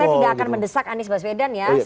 jadi partai tidak akan mendesak anies baswedan ya